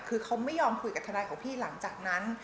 คือเขาไม่ยอมคุยกับทนายของพี่หลังจากนั้น